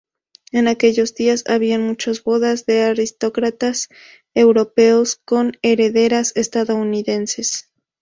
En aquellos días había muchas bodas de aristócratas europeos con herederas estadounidenses.